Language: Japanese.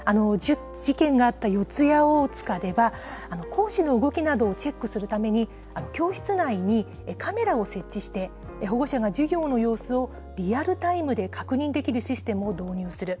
事件があった四谷大塚では、講師の動きなどをチェックするために、教室内にカメラを設置して、保護者が授業の様子をリアルタイムで確認できるシステムを導入する。